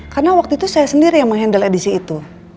karena waktu itu saya sendiri yang meng handle edisi itu